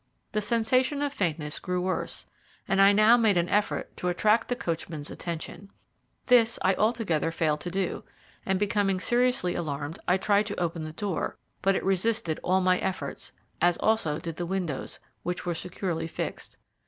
The sensation of faintness grew worse, and I now made an effort to attract the coachman's attention. This I altogether failed to do, and becoming seriously alarmed I tried to open the door; but it resisted all my efforts, as also did the windows, which were securely fixed.